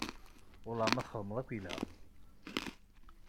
Welleh ma txedmeḍ akka yelha.